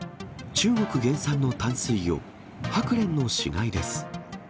中国原産の淡水魚、ハクレンの死骸です。